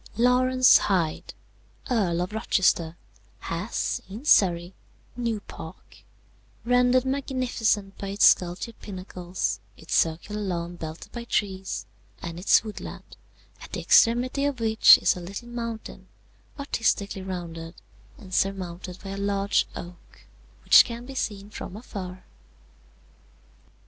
"Laurence Hyde, Earl of Rochester, has, in Surrey, New Park, rendered magnificent by its sculptured pinnacles, its circular lawn belted by trees, and its woodland, at the extremity of which is a little mountain, artistically rounded, and surmounted by a large oak, which can be seen from afar.